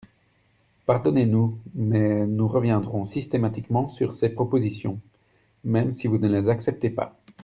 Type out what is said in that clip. Pardonnez-nous, mais nous reviendrons systématiquement sur ces propositions, même si vous ne les acceptez pas.